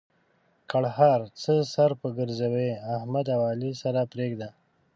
ګړهار: څه سر په ګرځوې؛ احمد او علي سره پرېږده.